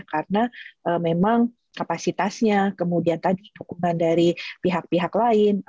karena memang kapasitasnya kemudian tadi dukungan dari pihak pihak lain